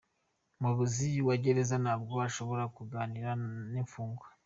Umuyobozi wa gereza ntabwo ashobora kuganira n’ imfungwa.